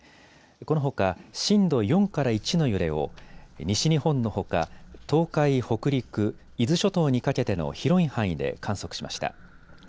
このほか、震度４から１の揺れを西日本のほか、東海、北陸、伊豆諸島にかけての広い範囲で観測しました。